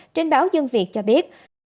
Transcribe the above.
trên báo dương việt cho biết